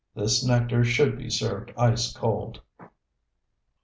The nectar should be served ice cold.